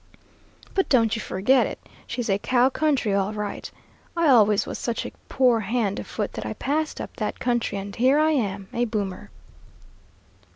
But don't you forget it, she's a cow country all right. I always was such a poor hand afoot that I passed up that country, and here I am a 'boomer.'"